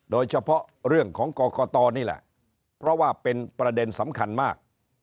โดยเฉพาะเรื่องของกรกตนี่แหละเพราะว่าเป็นประเด็นสำคัญมาก